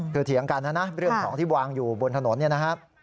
คือเถียงกันนะเรื่องของที่วางอยู่บนถนน